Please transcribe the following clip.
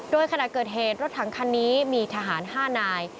โดยขณะเกิดเหตุรถถังคันนี้มีทหาร๕นาย